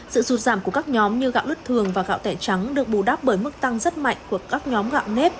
sự rụt giảm của các nhóm như gạo lứt thường và gạo tẻ trắng được bù đắp bởi mức tăng rất mạnh của các nhóm gạo nếp